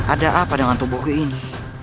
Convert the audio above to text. ada apa dengan tubuhku ini